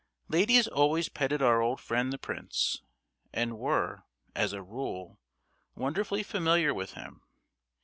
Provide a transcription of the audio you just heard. Ladies always petted our old friend the prince, and were—as a rule—wonderfully familiar with him.